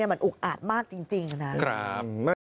มันอุกอาจมากจริงนะครับ